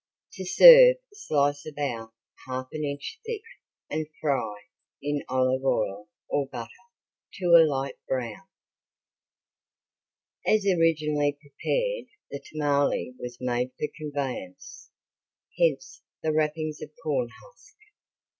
To serve slice about half an inch thick and fry in olive oil or butter to a light brown. As originally prepared the tamale was made for conveyance, hence the wrappings of corn husk.